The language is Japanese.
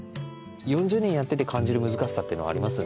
４０年やってて感じる難しさっていうのはあります？